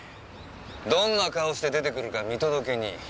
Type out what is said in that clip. どんな顔して出てくるか見届けに。